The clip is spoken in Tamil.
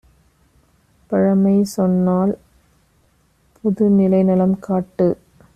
பழமைசொன் னால்புது நிலைநலம் காட்டு!